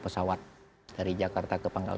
pesawat dari jakarta ke pangkal